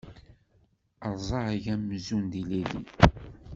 Rẓag amzun d ilili.